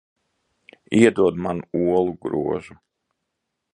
Iedod man olu grozu.